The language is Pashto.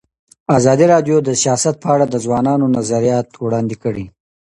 ازادي راډیو د سیاست په اړه د ځوانانو نظریات وړاندې کړي.